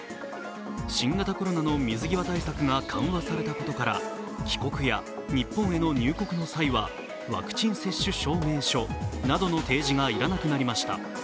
新型コロナの水際対策が緩和されたことから帰国や日本への入国の際はワクチン接種証明書などの提示がいらなくなりました。